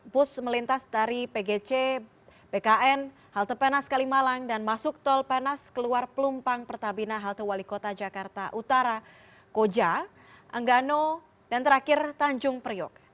bus melintas dari pgc pkn halte penas kalimalang dan masuk tol penas keluar pelumpang pertamina halte wali kota jakarta utara koja anggano dan terakhir tanjung priok